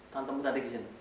tante mau tante ke sini